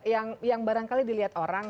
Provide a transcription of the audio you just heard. jadi yang barangkali dilihat orang